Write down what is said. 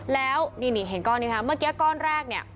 แล้วนี่เห็นก้อนนี้ค่ะเมื่อกี้ก้อนแรกเนี่ย